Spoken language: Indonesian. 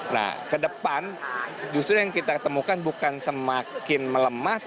nah ke depan justru yang kita temukan bukan semakin melemah